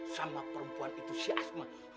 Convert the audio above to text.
sama perempuan itu si asma